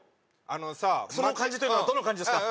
あのさその感じというのはどの感じですか？